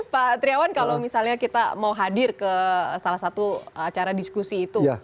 pak triawan kalau misalnya kita mau hadir ke salah satu acara diskusi itu